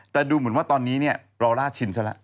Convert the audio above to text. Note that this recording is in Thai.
แต่ดูเหมือนว่าตอนนี้เนี่ยลอลล่าชินซะละ